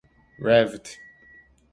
Revd.